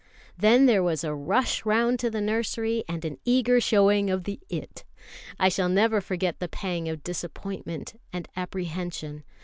Then there was a rush round to the nursery, and an eager showing of the "It." I shall never forget the pang of disappointment and apprehension.